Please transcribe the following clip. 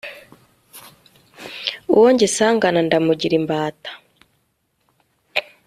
uwo ngisangana ndamugira imbata